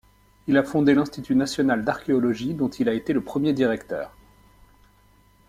Il a fondé l’institut national d’archéologie, dont il a été le premier directeur.